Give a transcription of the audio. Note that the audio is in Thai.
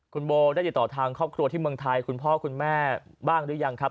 คุณโบได้ติดต่อทางครอบครัวที่เมืองไทยคุณพ่อคุณแม่บ้างหรือยังครับ